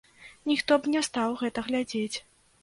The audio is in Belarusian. Ніхто б не стаў гэта глядзець.